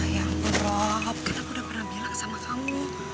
ya ampun rob mungkin aku udah pernah bilang sama kamu